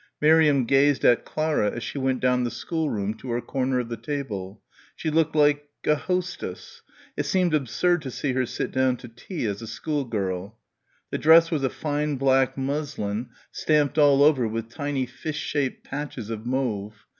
Miriam gazed at Clara as she went down the schoolroom to her corner of the table. She looked like ... a hostess. It seemed absurd to see her sit down to tea as a schoolgirl. The dress was a fine black muslin stamped all over with tiny fish shaped patches of mauve.